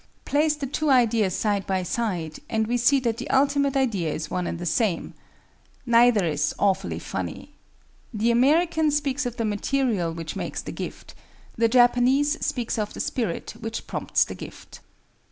Place the two ideas side by side; and we see that the ultimate idea is one and the same. Neither is "awfully funny." The American speaks of the material which makes the gift; the Japanese speaks of the spirit which prompts the gift.